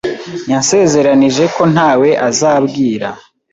yansezeranije ko ntawe azabwira.